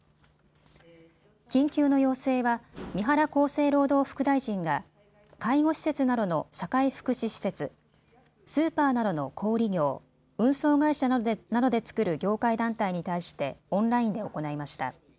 緊急の要請は三原厚生労働副大臣が介護施設などの社会福祉施設、スーパーなどの小売業、運送会社などで作る業界団体に対してオンラインで行いました。